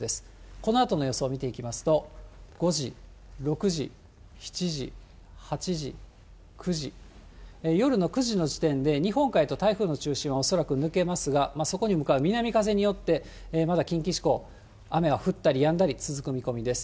このあとの予想を見ていきますと、５時、６時、７時、８時、９時、夜の９時の時点で、日本海へと台風の中心は恐らく抜けますが、そこに向かう南風によって、まだ近畿地方、雨が降ったりやんだり続く見込みです。